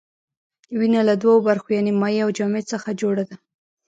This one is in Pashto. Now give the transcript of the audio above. وینه له دوو برخو یعنې مایع او جامد څخه جوړه ده.